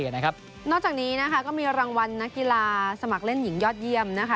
นอกจากนี้นะคะก็มีรางวัลนักกีฬาสมัครเล่นหญิงยอดเยี่ยมนะคะ